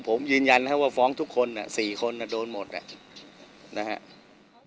ผมยืนยันนะครับว่าฟ้องทุกคน๔คนโดนหมดอ่ะนะครับ